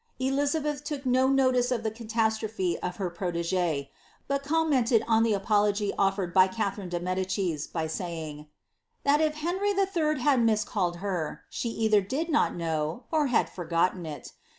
Elizabeth took no notice of the catastrophe of her protege ; but mented on the apology offered by Catherine de Medicis, by saying, ' if Henry III. had miscalled her, she either did not know, or had fc ten it.